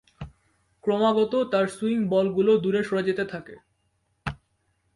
ক্রমাগত তার সুইং বলগুলো দূরে সরে যেতে থাকে।